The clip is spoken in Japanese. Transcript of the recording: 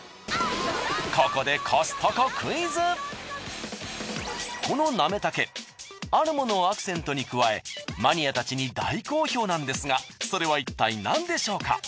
ここでこのなめ茸あるモノをアクセントに加えマニアたちに大好評なんですがそれはいったい何でしょうか？